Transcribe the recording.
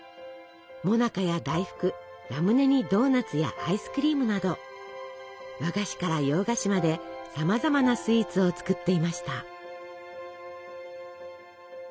もなかや大福ラムネにドーナツやアイスクリームなど和菓子から洋菓子までさまざまなスイーツを作っていました。